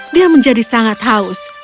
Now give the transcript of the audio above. dia menjadi sangat haus